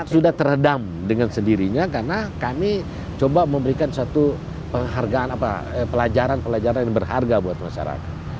sudah teredam dengan sendirinya karena kami coba memberikan satu penghargaan pelajaran pelajaran yang berharga buat masyarakat